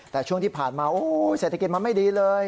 แต่ช่วงที่ผ่านมาโอ้โหเศรษฐกิจมันไม่ดีเลย